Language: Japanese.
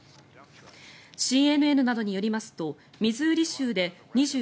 ＣＮＮなどによりますとミズーリ州で２７日